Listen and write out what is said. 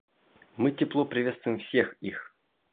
Мы тепло приветствуем всех их.